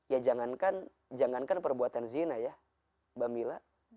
ya jangankan jangankan perbuatan zina ya mbak mila